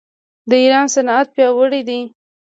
د ایران صنعت پیاوړی دی.